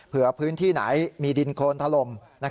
เผื่อพื้นที่ไหนมีดินโคนทะลม